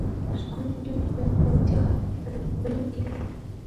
ښکلې نجونې به د پاچا حرم ته بېول کېدې.